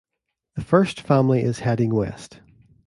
The First Family is heading west.